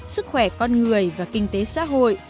sức khỏe con người và kinh tế xã hội